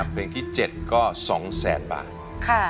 เพลงที่๗ก็๒๐๐๐๐๐บาท